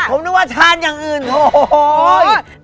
ผมนึกว่าทานอย่างอื่นโอ้โห